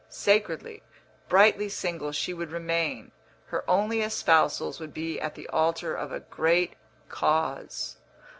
Sacredly, brightly single she would remain; her only espousals would be at the altar of a great cause.